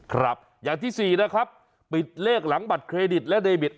ครับอย่างที่๔นะครับปิดเลขหลังบัตรเครดิตและเดบิต